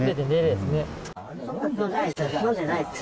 飲んでないですね。